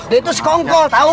dia itu sekongkol tahu